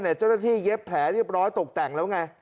เจ้าหน้าที่เย็บแผลเรียบร้อยตกแต่งแล้วไง